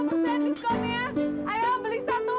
ayo beli satu dapet gini satu ayo